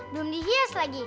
belum dihias lagi